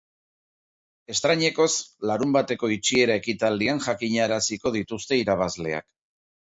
Estreinakoz, larunbateko itxiera ekitaldian jakinaraziko dituzte irabazleak.